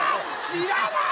知らない！